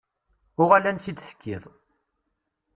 Uɣal ansa i d-tekkiḍ.